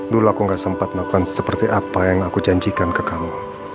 dulu aku gak sempat melakukan seperti apa yang aku janjikan ke kamu